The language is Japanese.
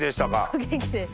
お元気です